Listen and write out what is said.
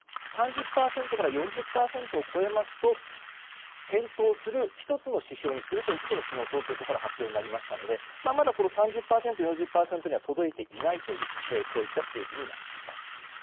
３０％から４０％を超えますと検討する１つの指標にするということが昨日、東京都から発表になりましたのでまだ３０４０％には届いていないというこういった数字になっています。